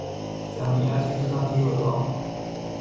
جمعیت ریختند توی اتاق.